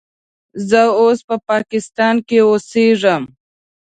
زه اوس په پاکستان کې اوسیږم.